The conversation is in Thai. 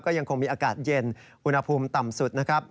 ยังคงมีอากาศเย็นอุณหภูมิต่ำสุดนะครับ